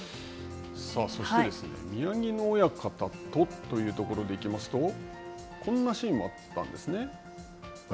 そしてですね、宮城野親方というところでいきますと、こんなシーンもあったんですね。